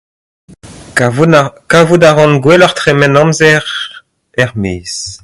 Kavout a ... kavout a ran gwelloc'h tremen amzer er-maez